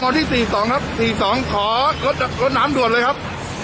ที่สี่สองครับสี่สองขอรถรถน้ำรถน้ำด่วนเลยครับ